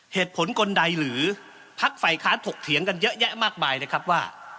เหตุผลกลใดหรือพักฝ่ายค้านถกเถียงกันเยอะแยะมากมายเลยครับว่า